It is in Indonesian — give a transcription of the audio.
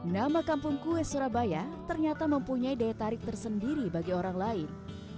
nama kampung kue surabaya ternyata mempunyai daya tarik tersendiri bagi orang lain